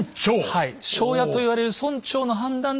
はい。